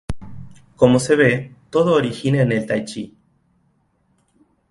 Como se ve, todo origina en el Taiji.